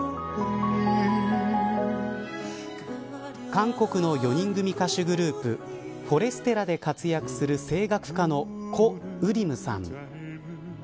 韓国の４人組歌手グループフォレステラで活躍する声楽家のコ・ウリムさん。